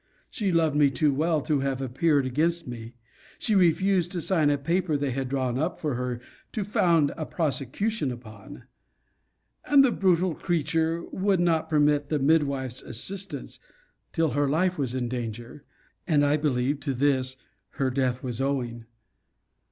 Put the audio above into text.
She loved me too well to have appeared against me; she refused to sign a paper they had drawn up for her, to found a prosecution upon; and the brutal creatures would not permit the mid wife's assistance, till her life was in danger; and, I believe, to this her death was owing.